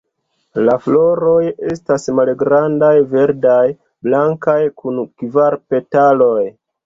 La floroj estas malgrandaj, verdaj-blankaj, kun kvar petaloj.